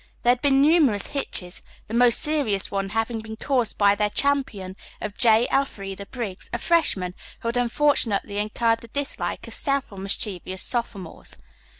There had been numerous hitches, the most serious one having been caused by their championship of J. Elfreda Briggs, a freshman, who had unfortunately incurred the dislike of several mischievous sophomores.